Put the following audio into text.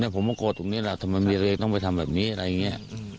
ผมก็โกรธตรงนี้แหละทำไมมีตัวเองต้องไปทำแบบนี้อะไรอย่างนี้